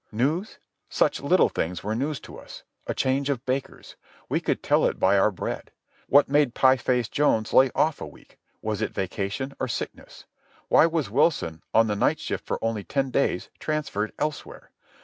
News? Such little things were news to us. A change of bakers—we could tell it by our bread. What made Pie face Jones lay off a week? Was it vacation or sickness? Why was Wilson, on the night shift for only ten days, transferred elsewhere?